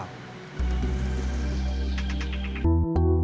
kompleks permukiman pada tengah dari kerawakan